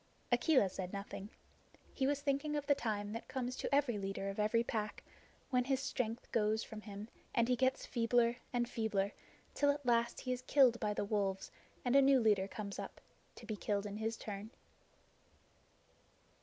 Akela said nothing. He was thinking of the time that comes to every leader of every pack when his strength goes from him and he gets feebler and feebler, till at last he is killed by the wolves and a new leader comes up to be killed in his turn.